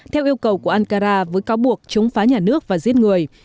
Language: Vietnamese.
theo yêu cầu của ankara với cáo buộc chống phá nhà nước và giết người